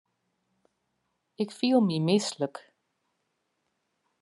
Ik fiel my mislik.